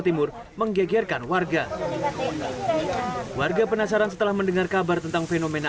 timur menggegerkan warga warga penasaran setelah mendengar kabar tentang fenomena